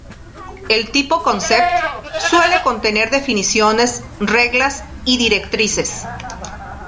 El tipo "Concept" suele contener definiciones, reglas y directrices.